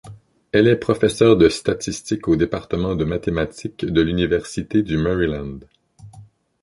Elle est professeure de statistique au département de mathématiques de l'Université du Maryland.